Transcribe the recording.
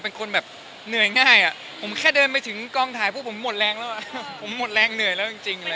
เป็นคนเหนื่อยง่ายผมแค่เดินไปถึงกลางถ่ายหมดแรงเหนื่อยแล้ว